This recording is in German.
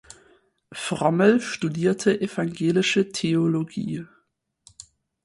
Frommel studierte evangelische Theologie.